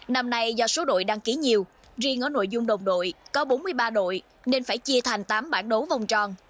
năm nay do số đội đăng ký nhiều riêng ở nội dung đồng đội có bốn mươi ba đội nên phải chia thành tám bảng đấu vòng tròn